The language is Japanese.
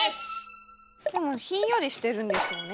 でもひんやりしてるんでしょうね。